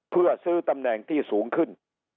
เพื่อซื้อตำแหน่งที่สูงขึ้น